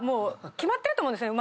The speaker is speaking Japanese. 決まってると思うんですね